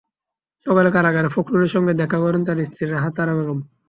সকালে কারাগারে ফখরুলের সঙ্গে দেখা করেন তাঁর স্ত্রী রাহাত আরা বেগম।